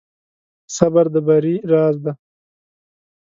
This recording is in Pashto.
صبر د بری راز دی.